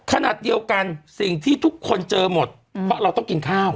ขนาดเดียวกันสิ่งที่ทุกคนเจอหมดเพราะเราต้องกินข้าว